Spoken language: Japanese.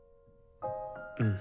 うん。